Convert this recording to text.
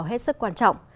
hết sức quan trọng